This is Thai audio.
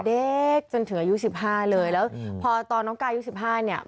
เด็กจนเถือยูสิบห้าเลยแล้วพอตอนน้องกายยูสิบห้าเนี้ย